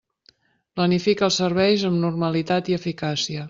Planifica els serveis amb normalitat i eficàcia.